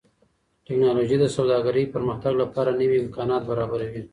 ټکنالوژي د سوداګرۍ پرمختګ لپاره نوي امکانات برابروي.